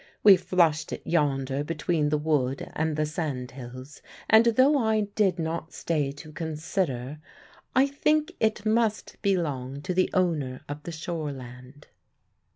We flushed it yonder between the wood and the sandhills, and, though I did not stay to consider, I think it must belong to the owner of the shore land."